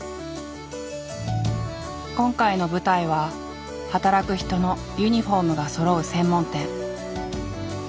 今回の舞台は働く人のユニフォームがそろう専門店。